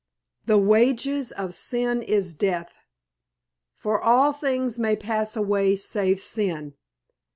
"The wages of sin is death. For all things may pass away save sin.